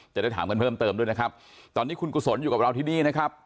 จะได้ถามกันเพิ่มเติมด้วยนะครับตอนนี้คุณกุศลอยู่กับเราที่นี่นะครับ